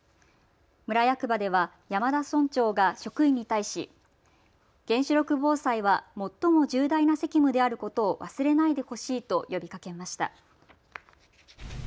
村役場では山田村長が職員に対し原子力防災は最も重大な責務であることを忘れないでほしいと呼びかけました。